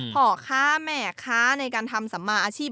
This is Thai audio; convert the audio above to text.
พ่อค้าแม่ค้าในการทำสัมมาอาชีพ